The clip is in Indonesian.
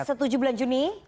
jadi pks tujuh bulan juni